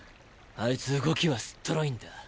あいつ動きはすっトロいんだ。